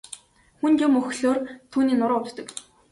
Хүнд юм өргөхлөөр түүний нуруу өвддөг.